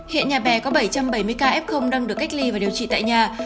hiện nhà bè có bảy trăm bảy mươi ca f đang được cách ly và điều trị tại nhà